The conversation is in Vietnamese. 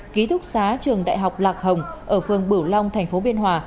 ký túc xá trường đại học lạc hồng ở phường bửu long thành phố biên hòa